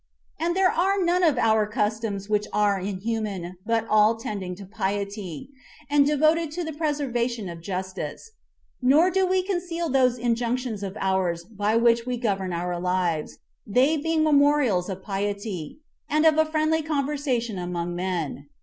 And there are none of our customs which are inhuman, but all tending to piety, and devoted to the preservation of justice; nor do we conceal those injunctions of ours by which we govern our lives, they being memorials of piety, and of a friendly conversation among men.